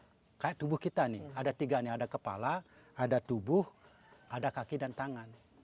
seperti tubuh kita ada tiga ada kepala ada tubuh ada kaki dan tangan